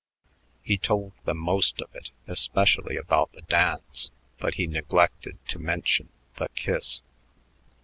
He told them most of it, especially about the dance; but he neglected to mention the kiss.